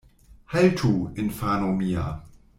Haltu, infano mia.